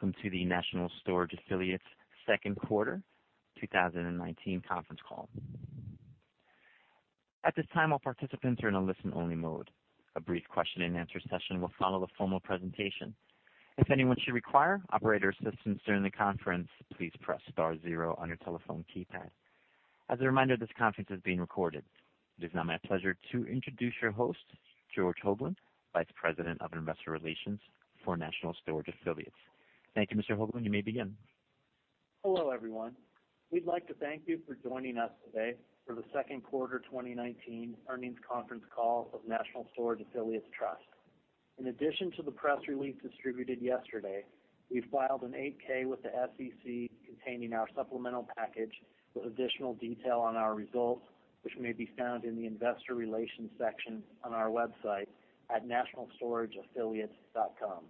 Welcome to the National Storage Affiliates second quarter 2019 conference call. At this time, all participants are in a listen-only mode. A brief question-and-answer session will follow the formal presentation. If anyone should require operator assistance during the conference, please press star zero on your telephone keypad. As a reminder, this conference is being recorded. It is now my pleasure to introduce your host, George Hoglund, Vice President of Investor Relations for National Storage Affiliates. Thank you, Mr. Hoglund. You may begin. Hello, everyone. We'd like to thank you for joining us today for the second quarter 2019 earnings conference call of National Storage Affiliates Trust. In addition to the press release distributed yesterday, we filed an 8-K with the SEC containing our supplemental package with additional detail on our results, which may be found in the investor relations section on our website at nationalstorageaffiliates.com.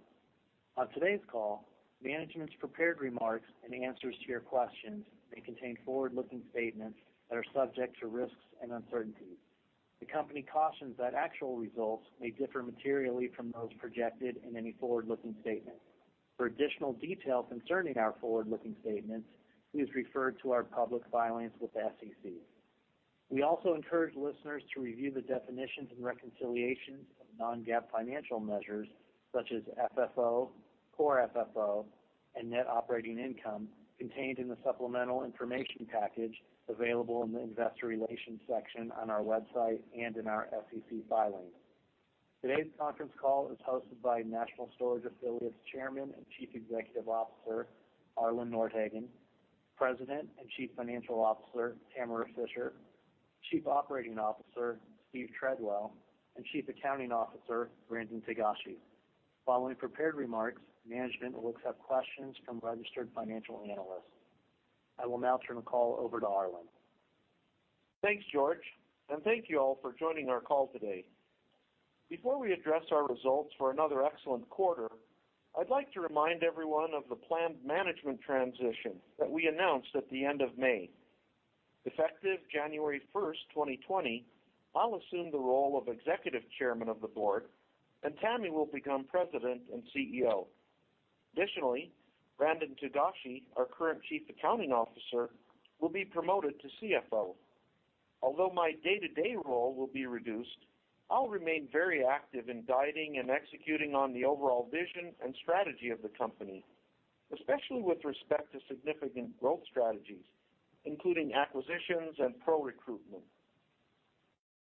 On today's call, management's prepared remarks and answers to your questions may contain forward-looking statements that are subject to risks and uncertainties. The company cautions that actual results may differ materially from those projected in any forward-looking statement. For additional detail concerning our forward-looking statements, please refer to our public filings with SEC. We also encourage listeners to review the definitions and reconciliations of non-GAAP financial measures such as FFO, Core FFO, and net operating income contained in the supplemental information package available in the investor relations section on our website and in our SEC filings. Today's conference call is hosted by National Storage Affiliates Chairman and Chief Executive Officer, Arlen Nordhagen, President and Chief Financial Officer, Tamara Fischer, Chief Operating Officer, Steve Treadwell, and Chief Accounting Officer, Brandon Togashi. Following prepared remarks, management will accept questions from registered financial analysts. I will now turn the call over to Arlen. Thanks, George. Thank you all for joining our call today. Before we address our results for another excellent quarter, I'd like to remind everyone of the planned management transition that we announced at the end of May. Effective January 1st, 2020, I'll assume the role of Executive Chairman of the Board, and Tammy will become President and CEO. Additionally, Brandon Togashi, our current Chief Accounting Officer, will be promoted to CFO. Although my day-to-day role will be reduced, I'll remain very active in guiding and executing on the overall vision and strategy of the company, especially with respect to significant growth strategies, including acquisitions and PRO recruitment.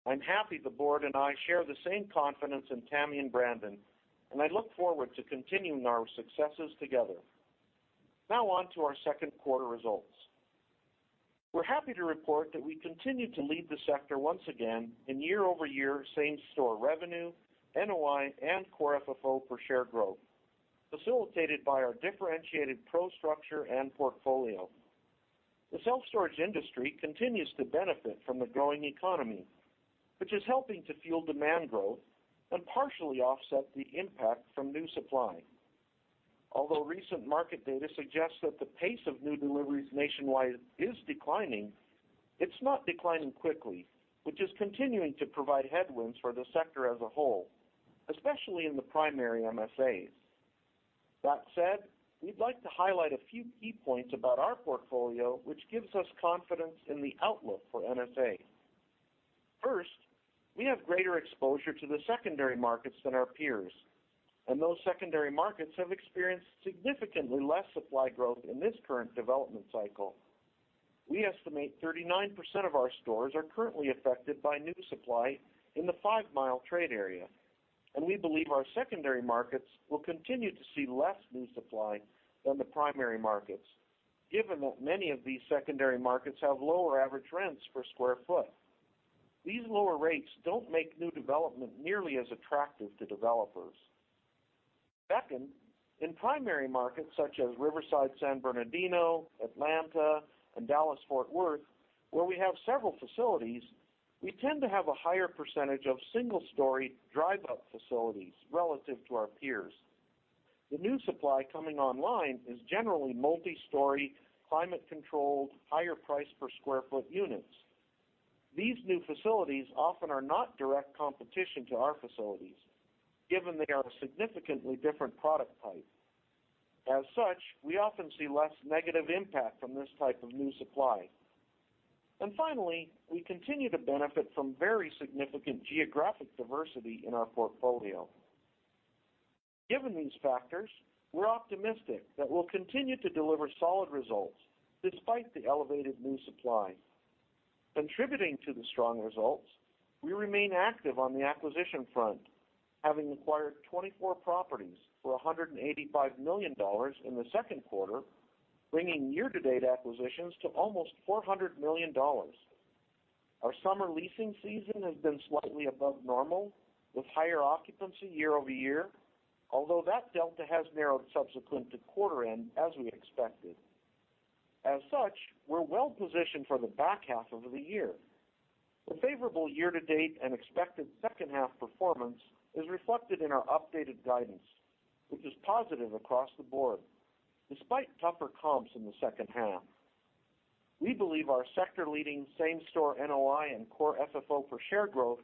I'm happy the Board and I share the same confidence in Tammy and Brandon, and I look forward to continuing our successes together. Now on to our second quarter results. We're happy to report that we continue to lead the sector once again in year-over-year same-store revenue, NOI, and Core FFO per share growth, facilitated by our differentiated PRO structure and portfolio. The self-storage industry continues to benefit from the growing economy, which is helping to fuel demand growth and partially offset the impact from new supply. Although recent market data suggests that the pace of new deliveries nationwide is declining, it's not declining quickly, which is continuing to provide headwinds for the sector as a whole, especially in the primary MSAs. We'd like to highlight a few key points about our portfolio, which gives us confidence in the outlook for NSA. First, we have greater exposure to the secondary markets than our peers, and those secondary markets have experienced significantly less supply growth in this current development cycle. We estimate 39% of our stores are currently affected by new supply in the five-mile trade area, and we believe our secondary markets will continue to see less new supply than the primary markets, given that many of these secondary markets have lower average rents per square foot. These lower rates don't make new development nearly as attractive to developers. Second, in primary markets such as Riverside, San Bernardino, Atlanta, and Dallas Fort Worth, where we have several facilities, we tend to have a higher percentage of single-story drive-up facilities relative to our peers. The new supply coming online is generally multi-story, climate-controlled, higher price per square foot units. These new facilities often are not direct competition to our facilities, given they are a significantly different product type. As such, we often see less negative impact from this type of new supply. Finally, we continue to benefit from very significant geographic diversity in our portfolio. Given these factors, we're optimistic that we'll continue to deliver solid results despite the elevated new supply. Contributing to the strong results, we remain active on the acquisition front, having acquired 24 properties for $185 million in the second quarter, bringing year-to-date acquisitions to almost $400 million. Our summer leasing season has been slightly above normal, with higher occupancy year-over-year, although that delta has narrowed subsequent to quarter-end, as we expected. As such, we're well-positioned for the back half of the year. The favorable year-to-date and expected second half performance is reflected in our updated guidance, which is positive across the board, despite tougher comps in the second half. We believe our sector-leading same-store NOI and Core FFO per share growth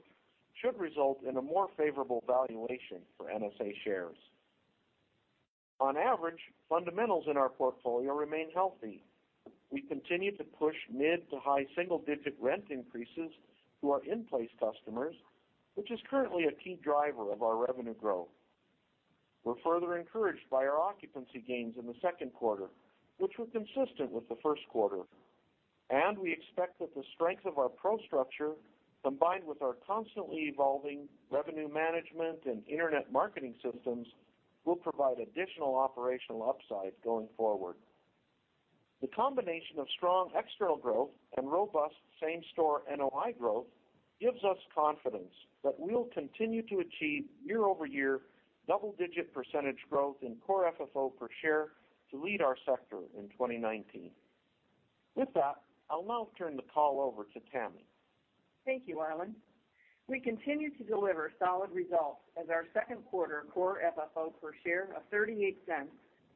should result in a more favorable valuation for NSA shares. On average, fundamentals in our portfolio remain healthy. We continue to push mid to high single-digit rent increases to our in-place customers, which is currently a key driver of our revenue growth. We're further encouraged by our occupancy gains in the second quarter, which were consistent with the first quarter, and we expect that the strength of our PRO structure, combined with our constantly evolving revenue management and internet marketing systems, will provide additional operational upside going forward. The combination of strong external growth and robust same-store NOI growth gives us confidence that we'll continue to achieve year-over-year double-digit % growth in Core FFO per share to lead our sector in 2019. With that, I'll now turn the call over to Tammy. Thank you, Arlen. We continue to deliver solid results as our second quarter Core FFO per share of $0.38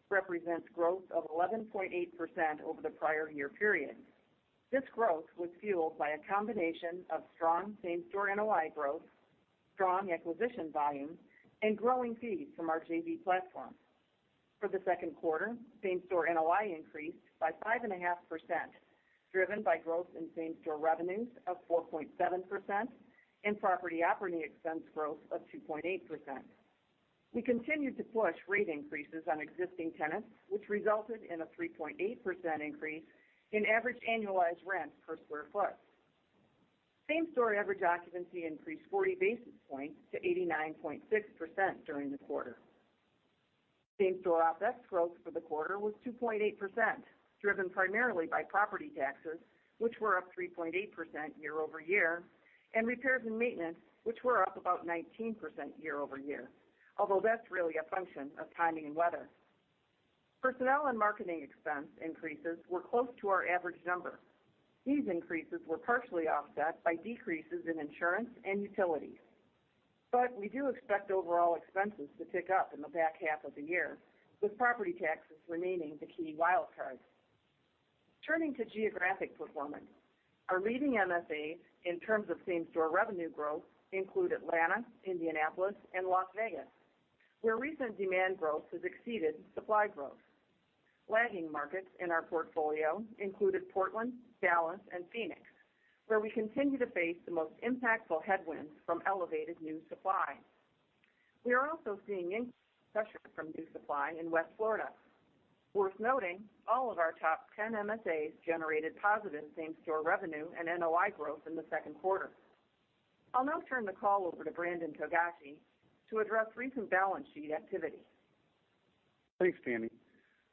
represents growth of 11.8% over the prior year period. This growth was fueled by a combination of strong same-store NOI growth, strong acquisition volume, and growing fees from our JV platform. For the second quarter, same-store NOI increased by 5.5%, driven by growth in same-store revenues of 4.7% and property operating expense growth of 2.8%. We continued to push rate increases on existing tenants, which resulted in a 3.8% increase in average annualized rent per square foot. Same-store average occupancy increased 40 basis points to 89.6% during the quarter. Same-store OpEx growth for the quarter was 2.8%, driven primarily by property taxes, which were up 3.8% year-over-year, and repairs and maintenance, which were up about 19% year-over-year. Although that's really a function of timing and weather. Personnel and marketing expense increases were close to our average number. These increases were partially offset by decreases in insurance and utilities, but we do expect overall expenses to tick up in the back half of the year, with property taxes remaining the key wild card. Turning to geographic performance, our leading MSAs in terms of same-store revenue growth include Atlanta, Indianapolis, and Las Vegas, where recent demand growth has exceeded supply growth. Lagging markets in our portfolio included Portland, Dallas, and Phoenix, where we continue to face the most impactful headwinds from elevated new supply. We are also seeing increased pressure from new supply in West Florida. Worth noting, all of our top 10 MSAs generated positive same-store revenue and NOI growth in the second quarter. I'll now turn the call over to Brandon Togashi to address recent balance sheet activity. Thanks, Tammy.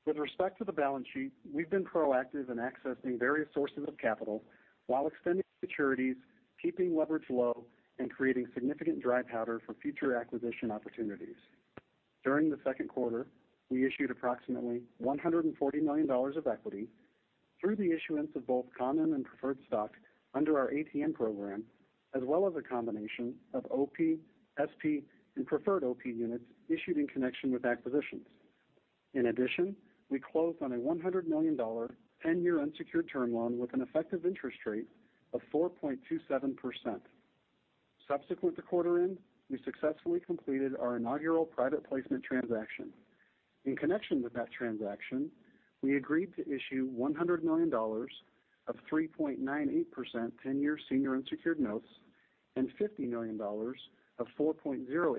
With respect to the balance sheet, we've been proactive in accessing various sources of capital while extending maturities, keeping leverage low, and creating significant dry powder for future acquisition opportunities. During the second quarter, we issued approximately $140 million of equity through the issuance of both common and preferred stock under our ATM program, as well as a combination of OP, SP, and preferred OP units issued in connection with acquisitions. In addition, we closed on a $100 million 10-year unsecured term loan with an effective interest rate of 4.27%. Subsequent to quarter end, we successfully completed our inaugural private placement transaction. In connection with that transaction, we agreed to issue $100 million of 3.98% 10-year senior unsecured notes and $50 million of 4.08%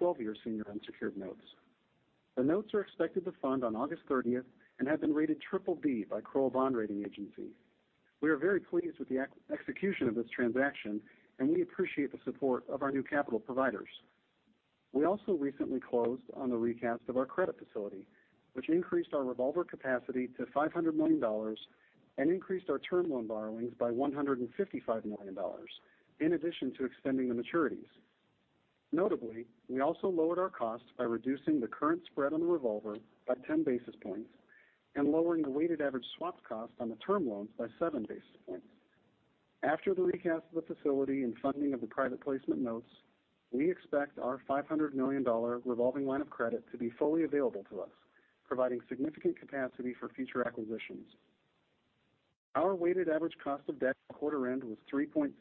12-year senior unsecured notes. The notes are expected to fund on August 30th and have been rated triple B by Kroll Bond Rating Agency. We are very pleased with the execution of this transaction, and we appreciate the support of our new capital providers. We also recently closed on the recast of our credit facility, which increased our revolver capacity to $500 million and increased our term loan borrowings by $155 million, in addition to extending the maturities. Notably, we also lowered our cost by reducing the current spread on the revolver by 10 basis points and lowering the weighted average swap cost on the term loans by seven basis points. After the recast of the facility and funding of the private placement notes, we expect our $500 million revolving line of credit to be fully available to us, providing significant capacity for future acquisitions. Our weighted average cost of debt at quarter end was 3.6%,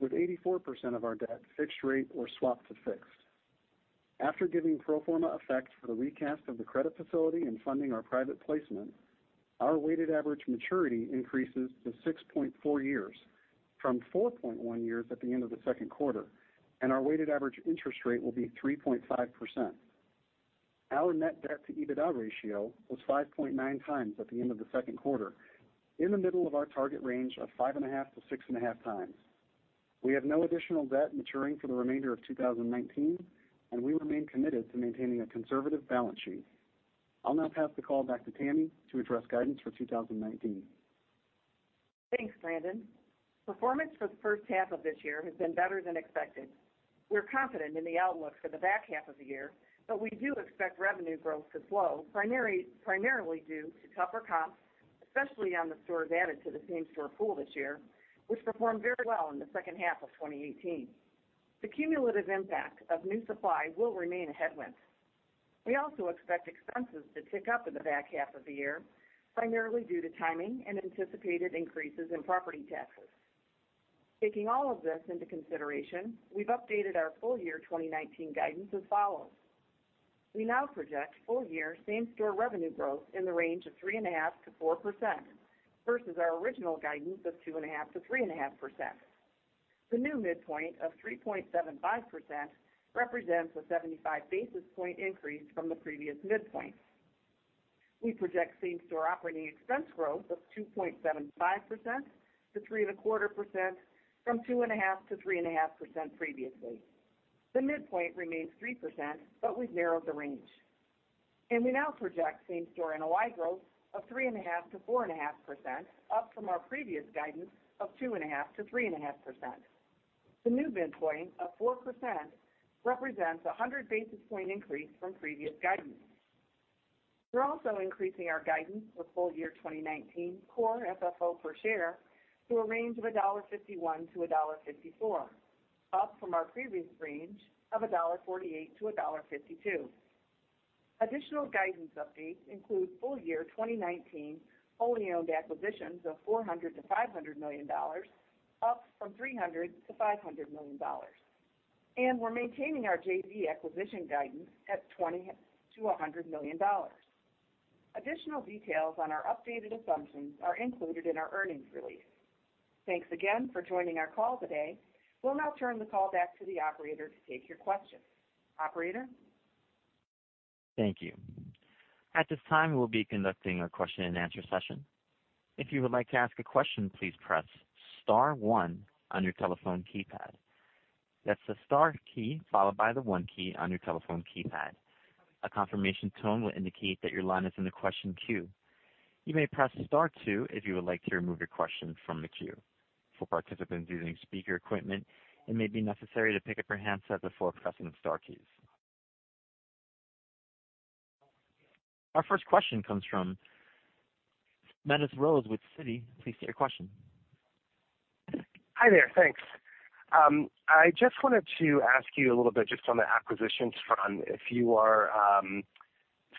with 84% of our debt fixed-rate or swapped to fixed. After giving pro forma effect for the recast of the credit facility and funding our private placement, our weighted average maturity increases to 6.4 years from 4.1 years at the end of the second quarter, and our weighted average interest rate will be 3.5%. Our net debt to EBITDA ratio was 5.9 times at the end of the second quarter, in the middle of our target range of 5.5-6.5 times. We have no additional debt maturing for the remainder of 2019, and we remain committed to maintaining a conservative balance sheet. I'll now pass the call back to Tammy to address guidance for 2019. Thanks, Brandon. Performance for the first half of this year has been better than expected. We're confident in the outlook for the back half of the year, but we do expect revenue growth to slow, primarily due to tougher comps, especially on the stores added to the same-store pool this year, which performed very well in the second half of 2018. The cumulative impact of new supply will remain a headwind. We also expect expenses to tick up in the back half of the year, primarily due to timing and anticipated increases in property taxes. Taking all of this into consideration, we've updated our full year 2019 guidance as follows. We now project full year same-store revenue growth in the range of 3.5%-4%, versus our original guidance of 2.5%-3.5%. The new midpoint of 3.75% represents a 75 basis point increase from the previous midpoint. We project same-store operating expense growth of 2.75%-3.25% from 2.5%-3.5% previously. The midpoint remains 3%, but we've narrowed the range. We now project same-store NOI growth of 3.5%-4.5% up from our previous guidance of 2.5%-3.5%. The new midpoint of 4% represents 100 basis point increase from previous guidance. We're also increasing our guidance for full year 2019 Core FFO per share to a range of $1.51-$1.54, up from our previous range of $1.48-$1.52. Additional guidance updates include full year 2019 only owned acquisitions of $400 million-$500 million, up from $300 million-$500 million. We're maintaining our JV acquisition guidance at $20 million-$100 million. Additional details on our updated assumptions are included in our earnings release. Thanks again for joining our call today. We'll now turn the call back to the operator to take your questions. Operator? Thank you. At this time, we'll be conducting a question and answer session. If you would like to ask a question, please press star one on your telephone keypad. That's the star key followed by the one key on your telephone keypad. A confirmation tone will indicate that your line is in the question queue. You may press star two if you would like to remove your question from the queue. For participants using speaker equipment, it may be necessary to pick up your handset before pressing the star keys. Our first question comes from Smedes Rose with Citi. Please state your question. Hi there. Thanks. I just wanted to ask you a little bit just on the acquisitions front, if you are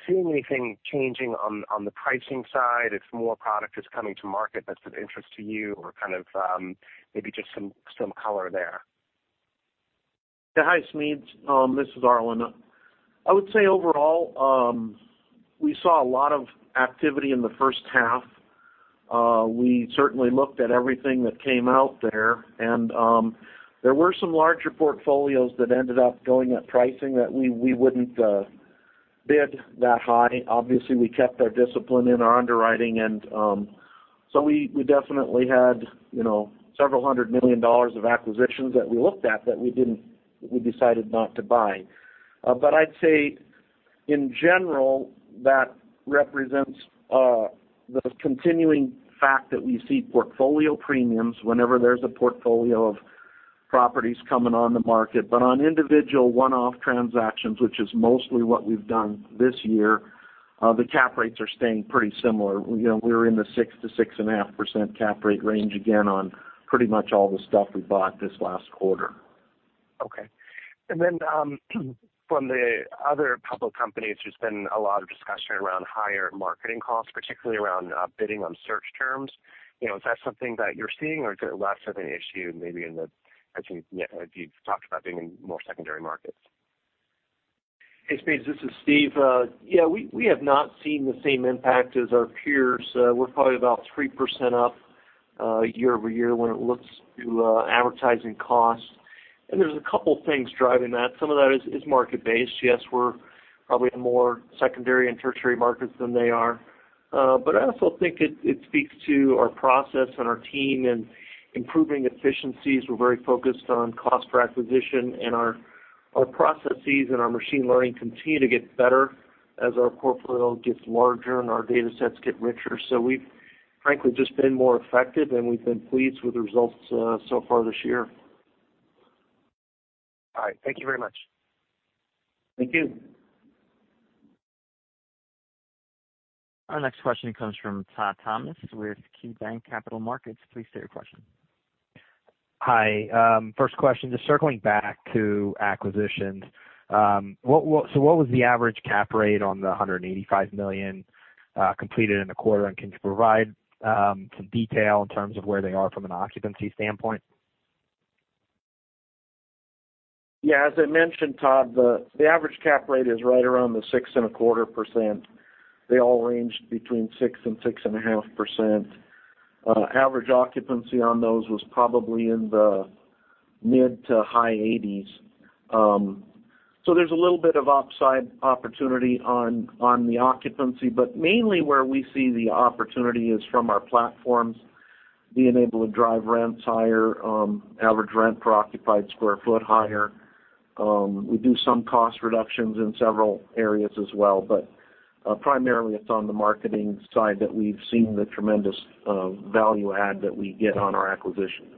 seeing anything changing on the pricing side, if more product is coming to market that's of interest to you, or kind of maybe just some color there. Yeah. Hi, Smedes. This is Arlen. I would say overall, we saw a lot of activity in the first half. We certainly looked at everything that came out there, and there were some larger portfolios that ended up going at pricing that we wouldn't bid that high. Obviously, we kept our discipline in our underwriting, so we definitely had $several hundred million of acquisitions that we looked at that we decided not to buy. I'd say in general, that represents the continuing fact that we see portfolio premiums whenever there's a portfolio of properties coming on the market. On individual one-off transactions, which is mostly what we've done this year, the cap rates are staying pretty similar. We're in the 6%-6.5% cap rate range again on pretty much all the stuff we bought this last quarter. Okay. From the other public companies, there's been a lot of discussion around higher marketing costs, particularly around bidding on search terms. Is that something that you're seeing, or is it less of an issue maybe in the, I think you've talked about being in more secondary markets. Hey, Smedes, this is Steve. We have not seen the same impact as our peers. We're probably about 3% up year-over-year when it looks to advertising costs. There's a couple things driving that. Some of that is market-based. Yes, we're probably in more secondary and tertiary markets than they are. I also think it speaks to our process and our team and improving efficiencies. We're very focused on cost per acquisition, and our processes and our machine learning continue to get better as our portfolio gets larger and our data sets get richer. We've frankly just been more effective, and we've been pleased with the results so far this year. All right. Thank you very much. Thank you. Our next question comes from Todd Thomas with KeyBanc Capital Markets. Please state your question. Hi. First question, just circling back to acquisitions. What was the average cap rate on the $185 million completed in the quarter, and can you provide some detail in terms of where they are from an occupancy standpoint? Yeah, as I mentioned, Todd, the average cap rate is right around the 6.25%. They all ranged between 6% and 6.5%. Average occupancy on those was probably in the mid to high 80s. There's a little bit of upside opportunity on the occupancy, but mainly where we see the opportunity is from our platforms being able to drive rents higher, average rent per occupied square foot higher. We do some cost reductions in several areas as well, but primarily it's on the marketing side that we've seen the tremendous value add that we get on our acquisitions.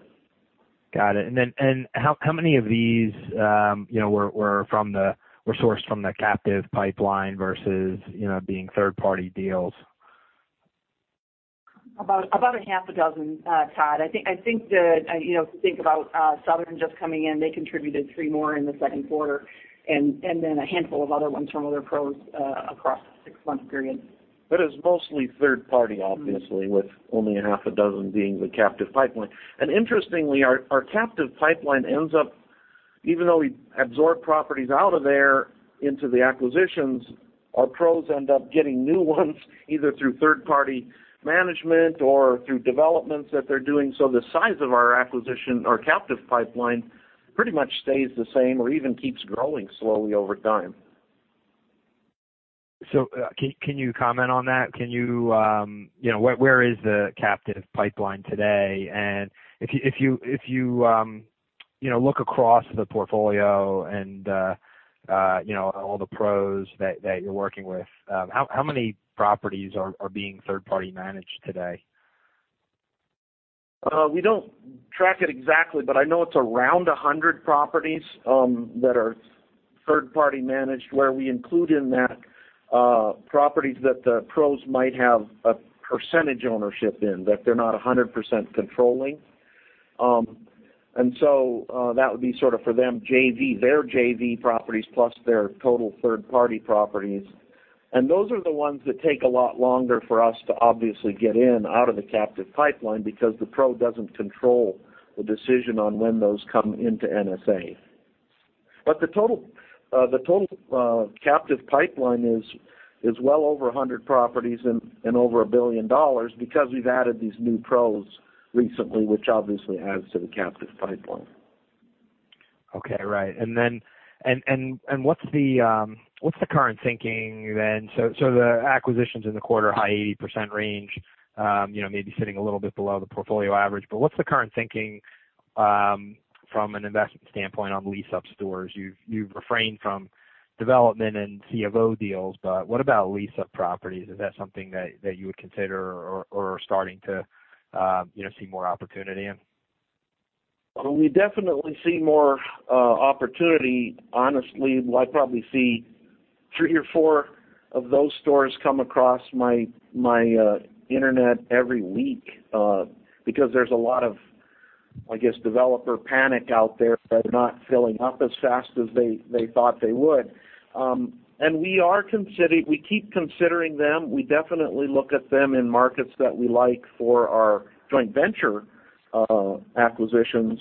Got it. How many of these were sourced from the captive pipeline versus being third-party deals? About a half a dozen, Todd. I think about Southern just coming in, they contributed three more in the second quarter, and then a handful of other ones from other PROs across the six-month period. It's mostly third party, obviously. with only a half a dozen being the captive pipeline. Interestingly, our captive pipeline ends up, even though we absorb properties out of there into the acquisitions, our PROs end up getting new ones, either through third-party management or through developments that they're doing. The size of our acquisition, our captive pipeline, pretty much stays the same or even keeps growing slowly over time. Can you comment on that? Where is the captive pipeline today? If you look across the portfolio and all the PROs that you're working with, how many properties are being third-party managed today? We don't track it exactly, but I know it's around 100 properties that are third-party managed, where we include in that properties that the PROs might have a percentage ownership in, that they're not 100% controlling. That would be sort of for them, their JV properties plus their total third-party properties. Those are the ones that take a lot longer for us to obviously get in out of the captive pipeline because the PRO doesn't control the decision on when those come into NSA. The total captive pipeline is well over 100 properties and over $1 billion because we've added these new PROs recently, which obviously adds to the captive pipeline. Okay. Right. What's the current thinking then? The acquisitions in the quarter, high 80% range, maybe sitting a little bit below the portfolio average. What's the current thinking from an investment standpoint on lease-up stores? You've refrained from development and CFO deals, but what about lease-up properties? Is that something that you would consider or are starting to see more opportunity in? We definitely see more opportunity. Honestly, I probably see three or four of those stores come across my internet every week, because there's a lot of, I guess, developer panic out there that are not filling up as fast as they thought they would. We keep considering them. We definitely look at them in markets that we like for our joint venture acquisitions.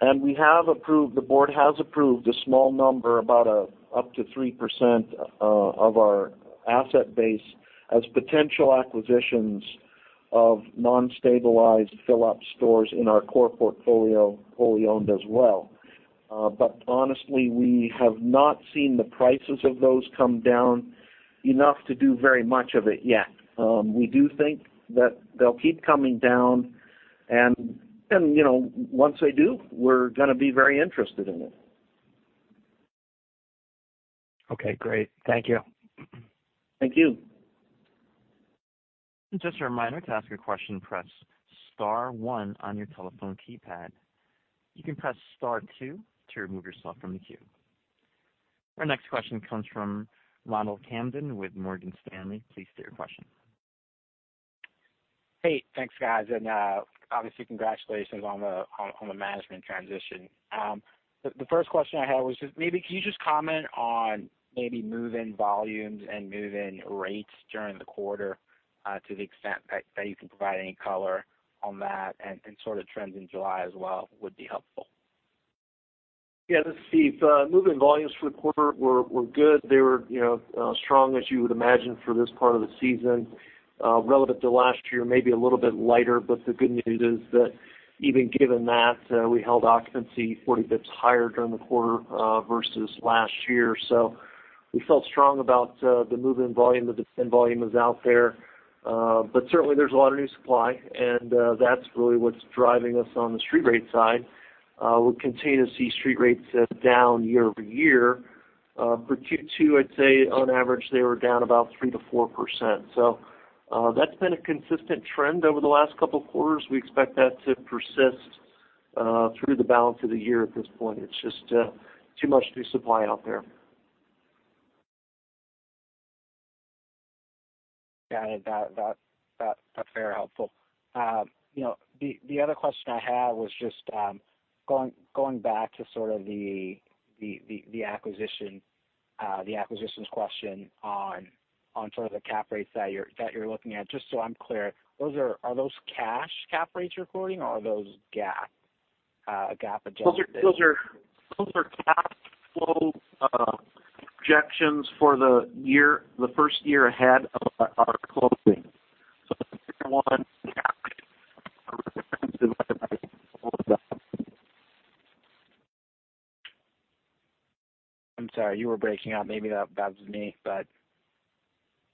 The board has approved a small number, about up to 3% of our asset base, as potential acquisitions of non-stabilized fill-up stores in our core portfolio, wholly owned as well. Honestly, we have not seen the prices of those come down enough to do very much of it yet. We do think that they'll keep coming down, and then once they do, we're going to be very interested in it. Okay, great. Thank you. Thank you. Just a reminder, to ask a question press star one on your telephone keypad. You can press star two to remove yourself from the queue. Our next question comes from Ronald Kamdem with Morgan Stanley. Please state your question. Hey, thanks guys. Obviously congratulations on the management transition. The first question I had was just maybe can you just comment on maybe move-in volumes and move-in rates during the quarter, to the extent that you can provide any color on that and sort of trends in July as well would be helpful. Yeah, this is Steve. Move-in volumes for the quarter were good. They were strong, as you would imagine, for this part of the season. Relative to last year, maybe a little bit lighter, but the good news is that even given that, we held occupancy 40 basis points higher during the quarter versus last year. We felt strong about the move-in volume. The demand volume is out there. Certainly, there's a lot of new supply, and that's really what's driving us on the street rate side. We continue to see street rates down year-over-year. For Q2, I'd say on average they were down about 3% to 4%. That's been a consistent trend over the last couple of quarters. We expect that to persist through the balance of the year at this point. It's just too much new supply out there. Got it. That's very helpful. The other question I had was just going back to sort of the acquisitions question on sort of the cap rates that you're looking at. Just so I'm clear, are those cash cap rates you're quoting, or are those GAAP-adjusted? Those are cash flow projections for the first year ahead of our closing. I'm sorry, you were breaking up. Maybe that was me.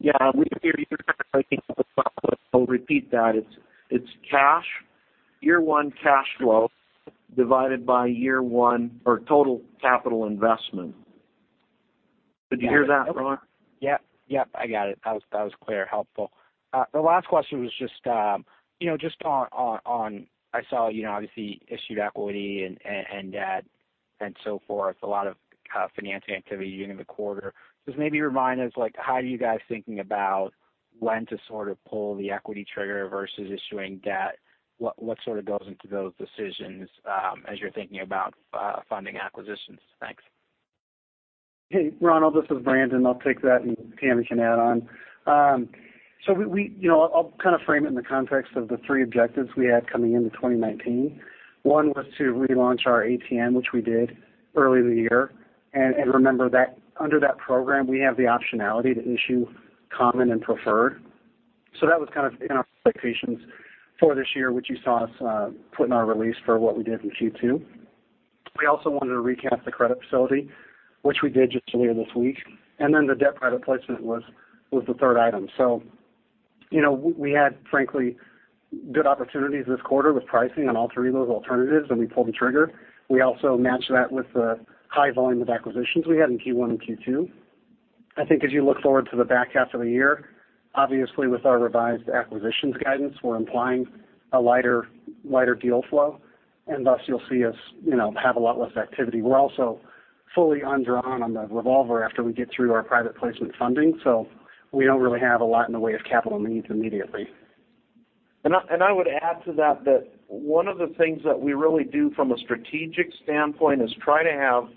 Yeah, we could hear you breaking up as well, but I'll repeat that. It's year-one cash flow divided by year-one or total capital investment. Did you hear that, Ron? Yep. I got it. That was clear. Helpful. The last question was just on, I saw, obviously, issued equity and debt and so forth. A lot of financing activity during the quarter. Just maybe remind us, how are you guys thinking about when to pull the equity trigger versus issuing debt? What goes into those decisions as you're thinking about funding acquisitions? Thanks. Hey, Ronald, this is Brandon. I'll take that, and Tamara can add on. I'll kind of frame it in the context of the three objectives we had coming into 2019. One was to relaunch our ATM, which we did early in the year. Remember that under that program, we have the optionality to issue common and preferred. That was kind of in our expectations for this year, which you saw us put in our release for what we did in Q2. We also wanted to recap the credit facility, which we did just earlier this week. The debt private placement was the third item. We had, frankly, good opportunities this quarter with pricing on all three of those alternatives, and we pulled the trigger. We also matched that with the high volume of acquisitions we had in Q1 and Q2. I think as you look forward to the back half of the year, obviously, with our revised acquisitions guidance, we're implying a lighter deal flow, and thus you'll see us have a lot less activity. We're also fully undrawn on the revolver after we get through our private placement funding, so we don't really have a lot in the way of capital needs immediately. I would add to that one of the things that we really do from a strategic standpoint is try to have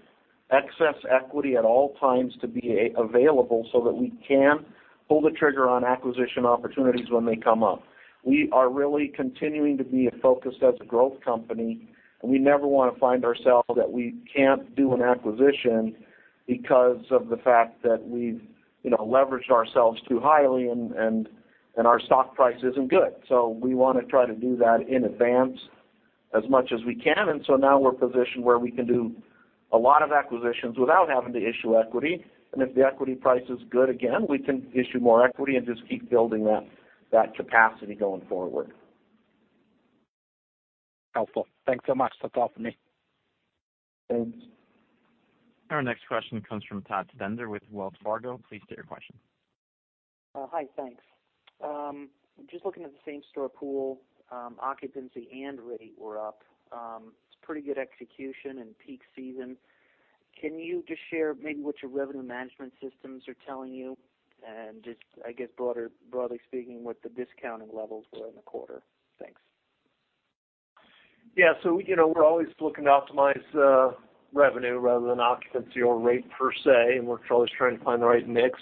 excess equity at all times to be available so that we can pull the trigger on acquisition opportunities when they come up. We are really continuing to be focused as a growth company, and we never want to find ourselves that we can't do an acquisition because of the fact that we've leveraged ourselves too highly and our stock price isn't good. We want to try to do that in advance as much as we can. Now we're positioned where we can do a lot of acquisitions without having to issue equity. If the equity price is good again, we can issue more equity and just keep building that capacity going forward. Helpful. Thanks so much. That's all for me. Thanks. Our next question comes from Todd Stender with Wells Fargo. Please state your question. Hi, thanks. Just looking at the same-store pool, occupancy and rate were up. It's pretty good execution in peak season. Can you just share maybe what your revenue management systems are telling you? Just, I guess, broadly speaking, what the discounting levels were in the quarter. Thanks. We're always looking to optimize revenue rather than occupancy or rate per se, and we're always trying to find the right mix.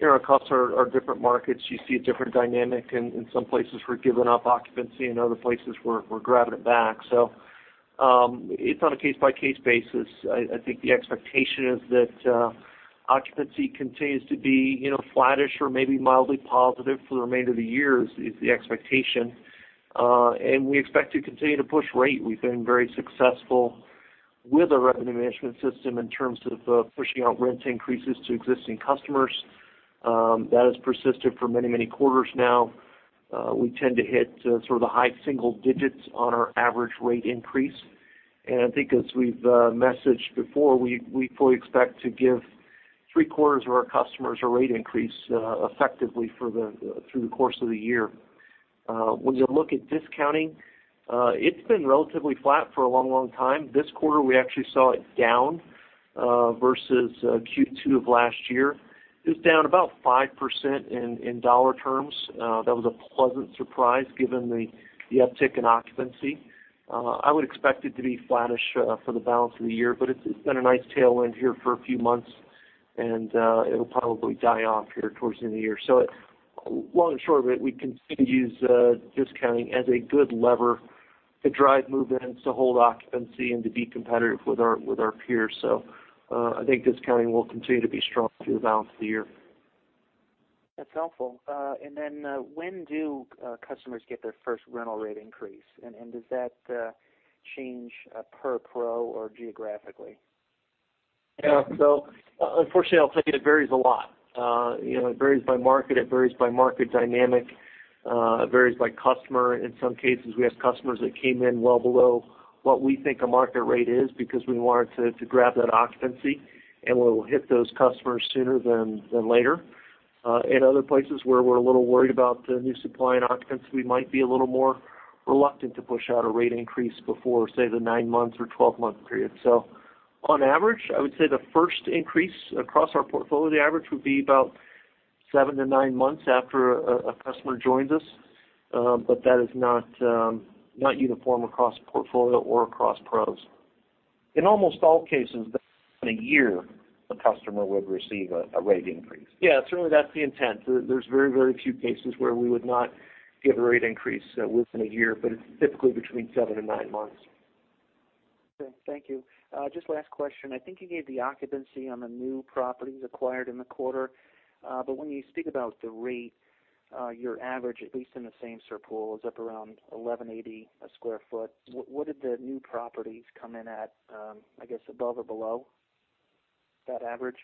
You can see across our different markets, you see a different dynamic. In some places we're giving up occupancy, in other places we're grabbing it back. It's on a case-by-case basis. I think the expectation is that occupancy continues to be flattish or maybe mildly positive for the remainder of the year, is the expectation. We expect to continue to push rate. We've been very successful with our revenue management system in terms of pushing out rent increases to existing customers. That has persisted for many quarters now. We tend to hit sort of the high single digits on our average rate increase. I think as we've messaged before, we fully expect to give three-quarters of our customers a rate increase effectively through the course of the year. When you look at discounting, it's been relatively flat for a long, long time. This quarter, we actually saw it down versus Q2 of last year. It was down about 5% in dollar terms. That was a pleasant surprise given the uptick in occupancy. I would expect it to be flattish for the balance of the year, but it's been a nice tailwind here for a few months, and it'll probably die off here towards the end of the year. Long and short of it, we continue to use discounting as a good lever to drive move-ins, to hold occupancy, and to be competitive with our peers. I think discounting will continue to be strong through the balance of the year. That's helpful. Then when do customers get their first rental rate increase? Does that change per PRO or geographically? Unfortunately, I'll tell you, it varies a lot. It varies by market, it varies by market dynamic. It varies by customer. In some cases, we have customers that came in well below what we think a market rate is because we wanted to grab that occupancy, and we'll hit those customers sooner than later. In other places where we're a little worried about the new supply and occupancy, we might be a little more reluctant to push out a rate increase before, say, the nine-month or 12-month period. On average, I would say the first increase across our portfolio, the average would be about seven to nine months after a customer joins us. That is not uniform across the portfolio or across PROs. In almost all cases, within a year, the customer would receive a rate increase. Yeah, certainly that's the intent. There's very few cases where we would not give a rate increase within a year, but it's typically between seven and nine months. Okay, thank you. Just last question. I think you gave the occupancy on the new properties acquired in the quarter. When you speak about the rate, your average, at least in the same store pool, is up around $11.80 a square foot. What did the new properties come in at, I guess above or below that average?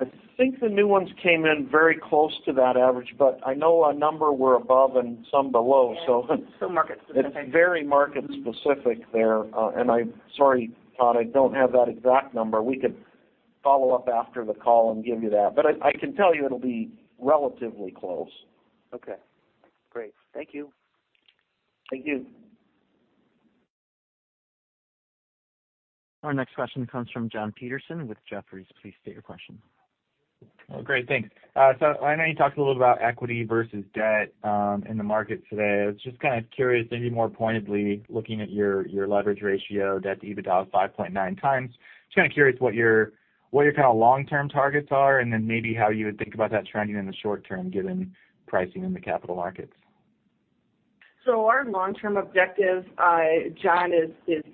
I think the new ones came in very close to that average, but I know a number were above and some below. Yeah. Market specific. It's very market specific there. I'm sorry, Todd, I don't have that exact number. We could follow up after the call and give you that. I can tell you it'll be relatively close. Okay. Great. Thank you. Thank you. Our next question comes from Jonathan Petersen with Jefferies. Please state your question. Great. Thanks. I know you talked a little about equity versus debt in the market today. I was just kind of curious, maybe more pointedly looking at your leverage ratio, debt-to-EBITDA was 5.9 times. Just kind of curious what your kind of long-term targets are then maybe how you would think about that trending in the short term, given pricing in the capital markets. Our long-term objective, John, is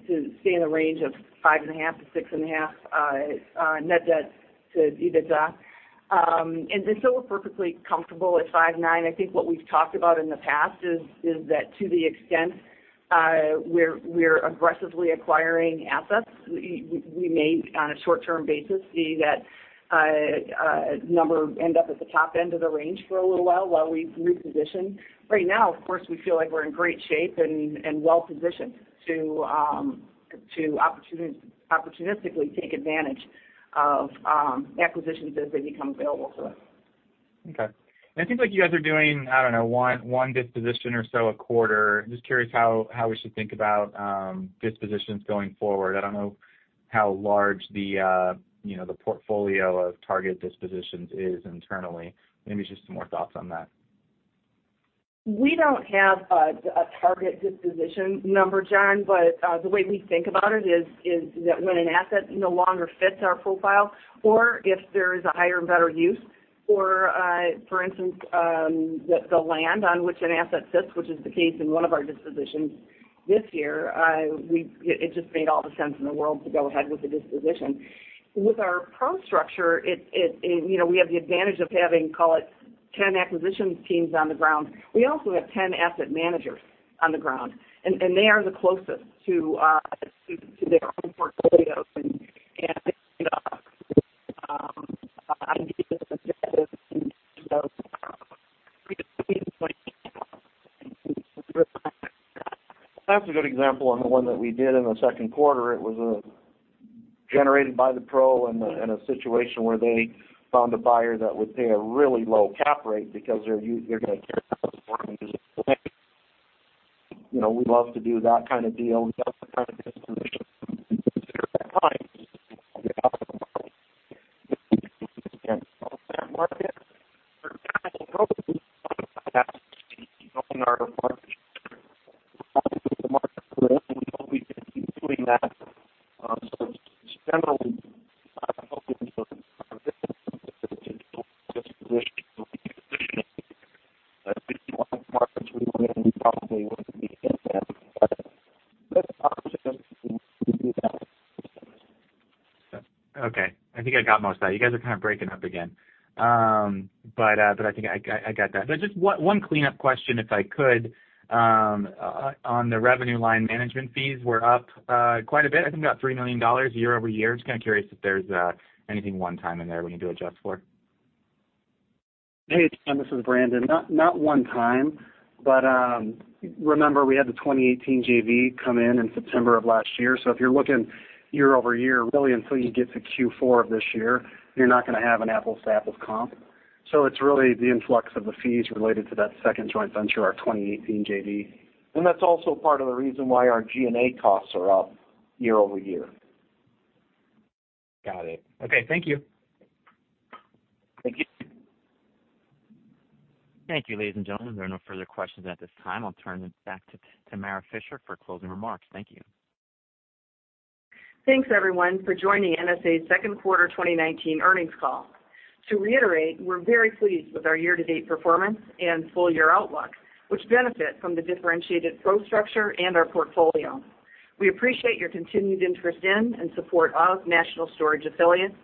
to stay in the range of 5.5 to 6.5 net debt to EBITDA. We're perfectly comfortable at 5.9. I think what we've talked about in the past is that to the extent we're aggressively acquiring assets, we may, on a short-term basis, see that number end up at the top end of the range for a little while we reposition. Right now, of course, we feel like we're in great shape and well-positioned to opportunistically take advantage of acquisitions as they become available to us. Okay. It seems like you guys are doing, I don't know, one disposition or so a quarter. Just curious how we should think about dispositions going forward. I don't know how large the portfolio of target dispositions is internally. Maybe just some more thoughts on that. We don't have a target disposition number, John, but the way we think about it is that when an asset no longer fits our profile or if there is a higher and better use or, for instance, the land on which an asset sits, which is the case in one of our dispositions this year, it just made all the sense in the world to go ahead with the disposition. With our PRO structure, we have the advantage of having, call it 10 acquisitions teams on the ground. We also have 10 asset managers on the ground, and they are the closest to their own portfolios and. That's a good example on the one that we did in the second quarter. It was generated by the PRO in a situation where they found a buyer that would pay a really low cap rate because they're going to tear down the 400-unit plan. We love to do that kind of deal, and that's the kind of disposition we consider at times when we want to get out of the market. Okay. I think I got most of that. You guys are kind of breaking up again. I think I got that. Just one cleanup question, if I could, on the revenue line. Management fees were up quite a bit, I think about $3 million year-over-year. Just kind of curious if there's anything one-time in there we need to adjust for. Hey, John, this is Brandon. Not one time, but remember we had the 2018 JV come in in September of last year. If you're looking year-over-year, really until you get to Q4 of this year, you're not going to have an apples-to-apples comp. It's really the influx of the fees related to that second joint venture, our 2018 JV. That's also part of the reason why our G&A costs are up year-over-year. Got it. Okay. Thank you. Thank you. Thank you, ladies and gentlemen. There are no further questions at this time. I'll turn it back to Tamara Fischer for closing remarks. Thank you. Thanks, everyone, for joining NSA's second quarter 2019 earnings call. To reiterate, we're very pleased with our year-to-date performance and full-year outlook, which benefit from the differentiated PRO structure and our portfolio. We appreciate your continued interest in and support of National Storage Affiliates,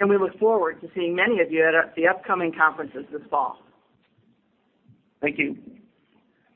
and we look forward to seeing many of you at the upcoming conferences this fall. Thank you.